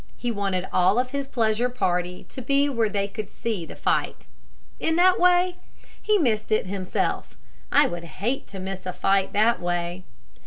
He wanted all of his pleasure party to be where they could see the fight. In that way he missed it himself. I would hate to miss a fight that way.